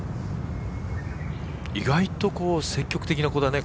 意外と積極的な子だね